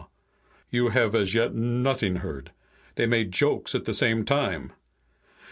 "You have as yet not'ing heard. They make jokes at same time.